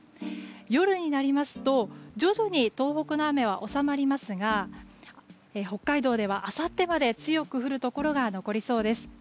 夜になりますと徐々に東北の雨は収まりますが北海道ではあさってまで強く降るところが残りそうです。